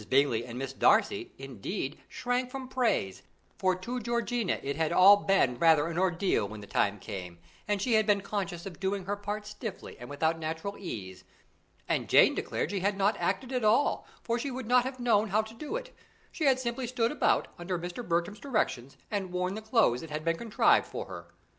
Bingley and Miss Darcy, indeed, shrank from praise, for to Georgiana it had all been rather an ordeal when the time came, and she had been conscious of doing her part stiffly and without natural ease, and Jane declared she had not acted at all, for she would not have known how to do it; she had simply stood about, under Mr. Bertram's directions, and worn the clothes that had been contrived for her.